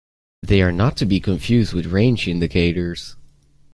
They are not to be confused with range indicators.